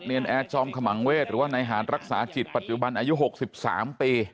แอร์จอมขมังเวศหรือว่านายหารรักษาจิตปัจจุบันอายุ๖๓ปี